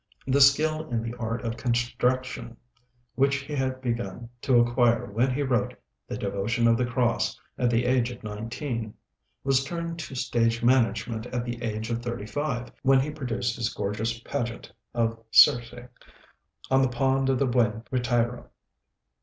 The skill in the art of construction which he had begun to acquire when he wrote 'The Devotion of the Cross' at the age of nineteen, was turned to stage management at the age of thirty five, when he produced his gorgeous pageant of 'Circe' on the pond of the Buen Retiro.